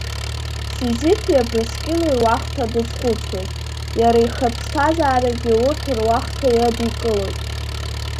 Сизифи Абрыскьыли руахҭа дазхәыцуеит, иара ихатә ԥсҭазарагьы урҭ руахҭа иадикылоит…